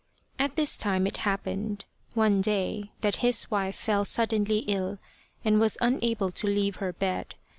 At this time it happened, one day, that his wife fell suddenly ill and was unable to leave her bed.